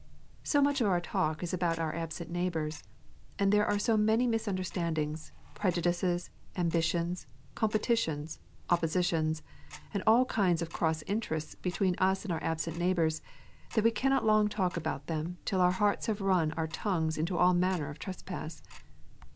So much of our talk is about our absent neighbours, and there are so many misunderstandings, prejudices, ambitions, competitions, oppositions, and all kinds of cross interests between us and our absent neighbours, that we cannot long talk about them till our hearts have run our tongues into all manner of trespass.